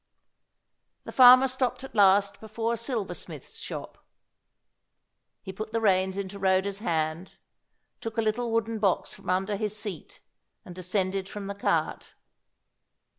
The farmer stopped at last before a silversmith's shop. He put the reins into Rhoda's hand, took a little wooden box from under his seat, and descended from the cart.